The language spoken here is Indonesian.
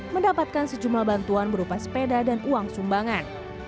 mendapatkan sejumlah bantuan berupa sepeda dan uang sumbangan